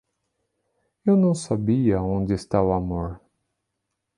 Eu não sabia onde está o amor.